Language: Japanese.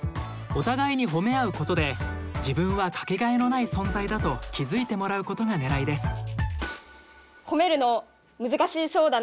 お互いにほめ合うことで自分はかけがえのない存在だと気づいてもらうことがねらいです。